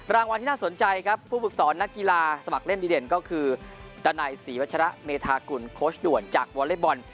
รางวัลที่น่าสนใจครับผู้ฝึกสอนนักกีฬาสมัครเล่นดีเด่นก็คือดันัยศรีวัชระเมธากุลโค้ชด่วนจากวอเล็กบอล